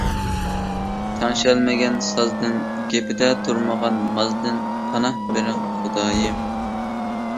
تەڭشەلمىگەن سازدىن، گېپىدە تۇرمىغان مازدىن پاناھ بېرىڭ خۇدايىم.